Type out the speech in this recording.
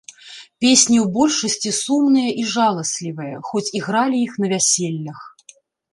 Песні ў большасці сумныя і жаласлівыя, хоць і гралі іх на вяселлях.